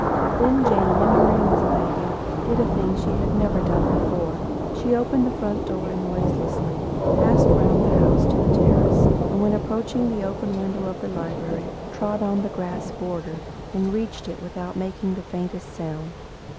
Then Jane, in her anxiety, did a thing she had never done before. She opened the front door noiselessly, passed round the house to the terrace, and when approaching the open window of the library, trod on the grass border, and reached it without making the faintest sound.